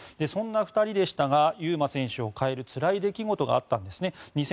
そんな２人でしたが優真選手を変えるつらい出来事があったんですね。